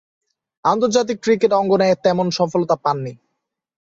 আন্তর্জাতিক ক্রিকেট অঙ্গনে তেমন সফলতা পাননি।